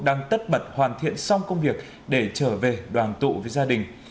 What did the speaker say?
đang tất bật hoàn thiện xong công việc để trở về đoàn tụ với gia đình